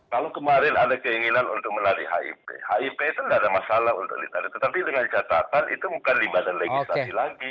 kalau kemarin ada keinginan untuk menarik hip hip itu tidak ada masalah untuk ditarik tetapi dengan catatan itu bukan di badan legislasi lagi